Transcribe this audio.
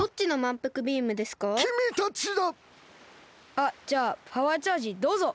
あっじゃあパワーチャージどうぞ。